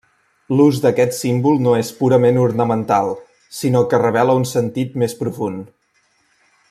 L'ús d'aquest símbol no és purament ornamental, sinó que revela un sentit més profund.